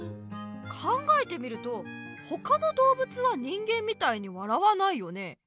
考えてみるとほかのどうぶつは人間みたいに笑わないよね。